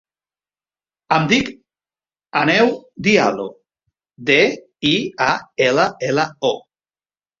Em dic Aneu Diallo: de, i, a, ela, ela, o.